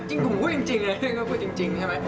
จริงผมพูดจริงไงผมพูดจริงใช่มะ